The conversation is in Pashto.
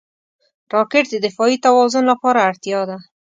راکټ د دفاعي توازن لپاره اړتیا ده